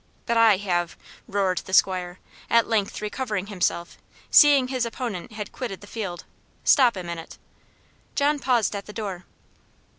"But I have," roared out the 'squire, at length recovering himself, seeing his opponent had quitted the field. "Stop a minute." John paused at the door.